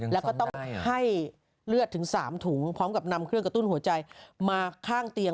แล้วก็ต้องให้เลือดถึง๓ถุงพร้อมกับนำเครื่องกระตุ้นหัวใจมาข้างเตียง